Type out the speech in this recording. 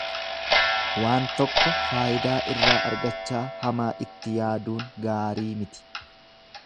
Waan tokko faayidaa irraa argachaa hamaa itti yaaduun gaarii miti.